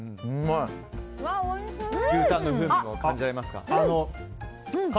牛たんの風味も感じられますか。